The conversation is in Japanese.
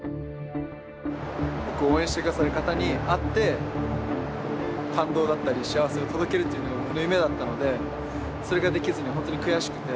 応援してくださる方に会って感動だったり幸せを届けるっていうのが僕の夢だったのでそれができずに本当に悔しくて。